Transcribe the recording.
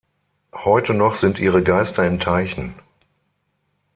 Heute noch sind ihre Geister in Teichen.